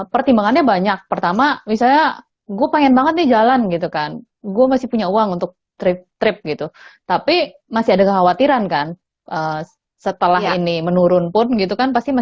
pertimbangannya banyak pertama misalnya gue pengen banget nih jalan gitu kan gue masih punya uang untuk trip trip gitu tapi masih ada kekhawatiran kan